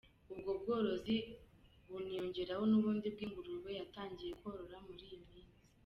Ubwo bworozi buniyongeraho n’ubundi bw’ingurube yatangiye korora muri iyi minsi.